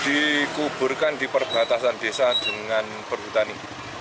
dikuburkan di perbatasan desa dengan perhutani